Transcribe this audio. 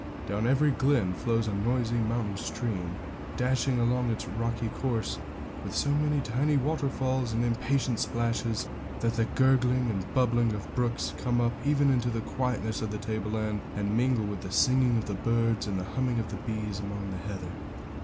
Down every glen flows a noisy mountain stream, dashing along its rocky course with so many tiny waterfalls and impatient splashes, that the gurgling and bubbling of brooks come up even into the quietness of the tableland and mingle with the singing of the birds and the humming of the bees among the heather.